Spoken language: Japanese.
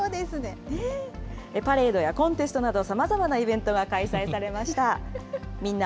パレードやコンテストなど、さまざまなイベントが開催されました。